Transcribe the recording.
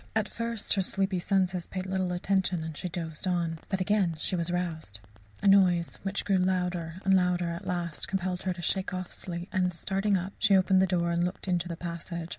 At first her sleepy senses paid little attention and she dozed on. But again she was roused. A noise which grew louder and louder at last compelled her to shake off sleep, and starting up, she opened the door and looked into the passage.